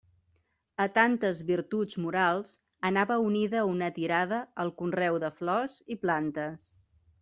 A tantes virtuts morals anava unida una tirada al conreu de flors i plantes.